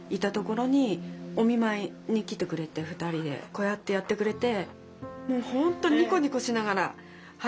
こうやってやってくれて。